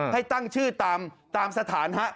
ให้ตั้งชื่อตามสถานะ